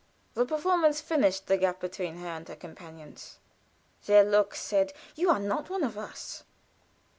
The performance finished the gap between her and her companions. Their looks said, "You are not one of us."